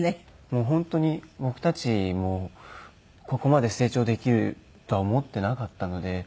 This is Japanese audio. もう本当に僕たちもここまで成長できるとは思っていなかったので。